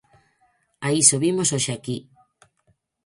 A iso vimos hoxe aquí.